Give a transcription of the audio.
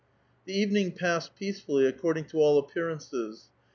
The evening passed peacefully according to all appear ances.